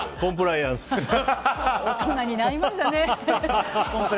大人になりましたね。